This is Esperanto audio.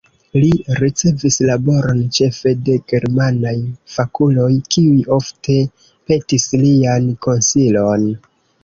Li ricevis laboron ĉefe de germanaj fakuloj, kiuj ofte petis lian konsilon.